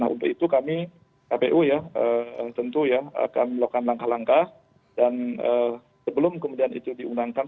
untuk itu kami kpu ya tentu ya akan melakukan langkah langkah dan sebelum kemudian itu diundangkan